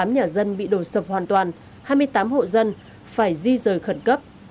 tám nhà dân bị đổ sập hoàn toàn hai mươi tám hộ dân phải di rời khẩn cấp